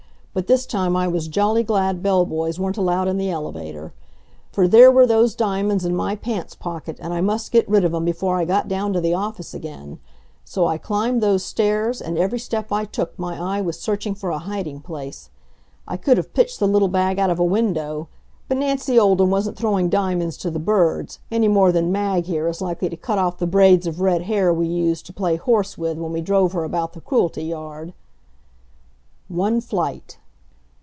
But this time I was jolly glad bell boys weren't allowed in the elevator. For there were those diamonds in my pants pocket, and I must get rid of 'em before I got down to the office again. So I climbed those stairs, and every step I took my eye was searching for a hiding place. I could have pitched the little bag out of a window, but Nancy Olden wasn't throwing diamonds to the birds, any more than Mag here is likely to cut off the braids of red hair we used to play horse with when we drove her about the Cruelty yard. One flight.